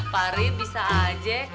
pak rit bisa aja